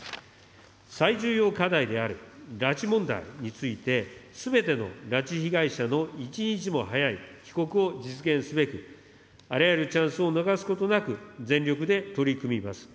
最重要課題である拉致問題について、すべての拉致被害者の一日も早い帰国を実現すべく、あらゆるチャンスを逃すことなく、全力で取り組みます。